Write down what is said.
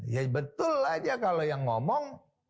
ya betul aja kalau yang ngomong